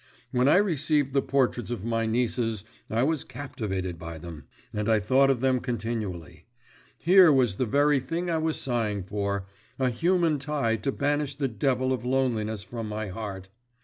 When I received the portraits of my nieces I was captivated by them, and I thought of them continually. Here was the very thing I was sighing for, a human tie to banish the devil of loneliness from my heart.